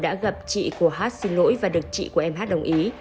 đã gặp chị của h xin lỗi và được chị của n h đồng ý